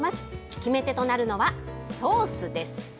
決めてとなるのはソースです。